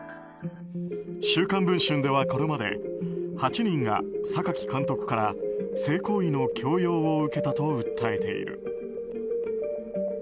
「週刊文春」ではこれまで８人が榊監督から性行為の強要を受けたと訴えている。